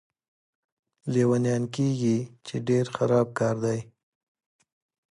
لیونیان کېږي، چې ډېر خراب کار دی.